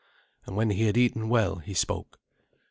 And when he had eaten well he spoke.